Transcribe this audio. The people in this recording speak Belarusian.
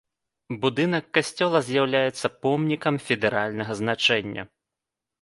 Будынак касцёла з'яўляецца помнікам федэральнага значэння.